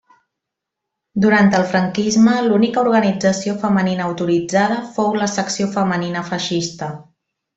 Durant el franquisme, l'única organització femenina autoritzada fou la Secció Femenina feixista.